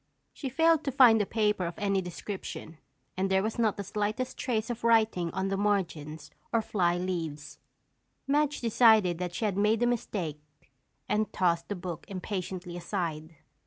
She failed to find a paper of any description and there was not the slightest trace of writing on the margins or fly leaves. Madge decided that she had made a mistake and tossed the book impatiently aside.